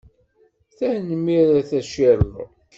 Tanemmirt a Sherlock!